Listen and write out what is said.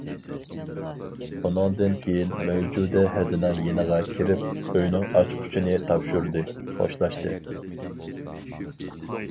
ئۇنىڭدىن كېيىن مەۋجۇدە ھەدىنىڭ يېنىغا كىرىپ، ئۆينىڭ ئاچقۇچىنى تاپشۇردى، خوشلاشتى.